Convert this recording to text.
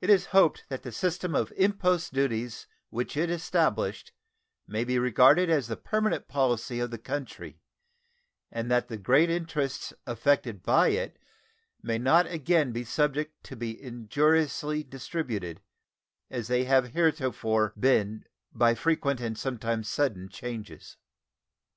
It is hoped that the system of impost duties which it established may be regarded as the permanent policy of the country, and that the great interests affected by it may not again be subject to be injuriously disturbed, as they have heretofore been by frequent and sometimes sudden changes.